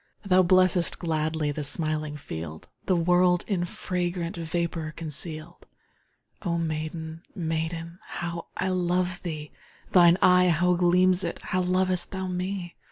Thou blessest gladly The smiling field, The world in fragrant Vapour conceal'd. Oh maiden, maiden, How love I thee! Thine eye, how gleams it! How lov'st thou me!